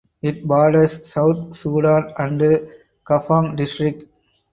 It borders South Sudan and Kaabong District.